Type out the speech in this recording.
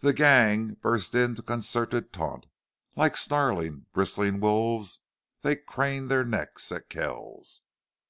The gang burst into one concerted taunt. Like snarling, bristling wolves they craned their necks at Kells.